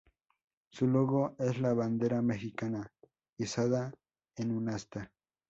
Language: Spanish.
Su logo es la bandera mexicana izada en un asta.